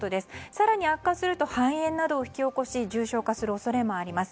更に、悪化すると肺炎などを引き起こし重症化する恐れもあります。